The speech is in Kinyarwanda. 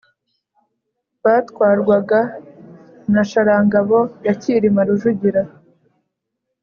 batwarwaga na Sharangabo ya Cyilima Rujugira